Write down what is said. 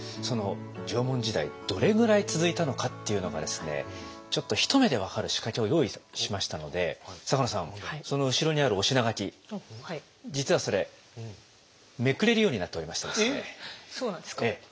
その縄文時代どれぐらい続いたのかっていうのがですねちょっと一目で分かる仕掛けを用意しましたので坂野さんその後ろにあるお品書き実はそれめくれるようになっておりましてですね。